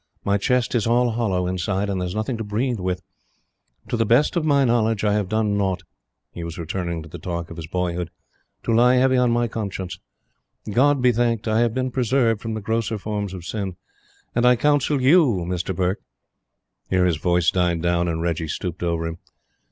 My chest is all hollow inside, and there's nothing to breathe with. To the best of my knowledge I have done nowt" he was returning to the talk of his boyhood "to lie heavy on my conscience. God be thanked, I have been preserved from the grosser forms of sin; and I counsel YOU, Mr. Burke...." Here his voice died down, and Reggie stooped over him.